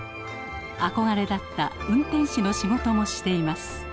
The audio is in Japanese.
憧れだった運転士の仕事もしています。